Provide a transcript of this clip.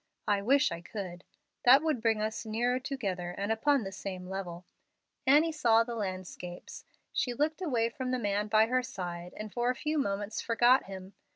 I wish I could. That would bring us nearer together and upon the same level." Annie saw the landscapes. She looked away from the man by her side and for a few moments forgot him.